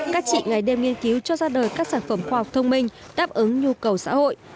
các chị ngày đêm nghiên cứu cho ra đời các sản phẩm khoa học thông minh đáp ứng nhu cầu xã hội